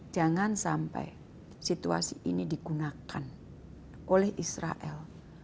jangan sampai situasi ini digunakan oleh israel